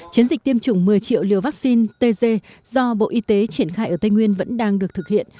chiến dịch tiêm chủng một mươi triệu liều vaccine tz do bộ y tế triển khai ở tây nguyên vẫn đang được thực hiện